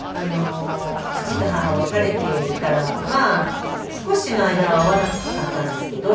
父と母別れてから少しの間は会わなかったんですけど。